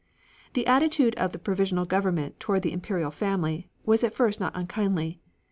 The attitude of the provisional government toward the Imperial family was at first not unkindly.